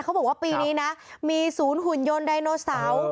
เขาบอกว่าปีนี้นะมีศูนย์หุ่นยนต์ไดโนเสาร์